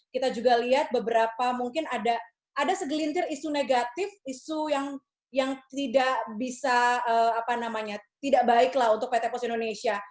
kita juga lihat beberapa mungkin ada segelintir isu negatif isu yang tidak bisa tidak baiklah untuk pt pos indonesia